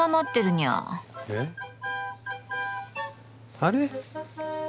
あれ？